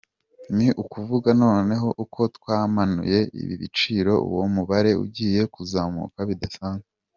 Ni ukuvuga noneho uko twamanuye ibi biciro, uwo mubare ugiye kuzamuka bidasanzwe.